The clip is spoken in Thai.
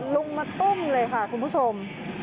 ลุงมาตุ้มเลยค่ะคุณผู้ชม